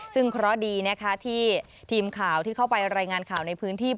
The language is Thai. ซึ่งเคราะห์ดีนะคะที่ทีมข่าวที่เข้าไปรายงานข่าวในพื้นที่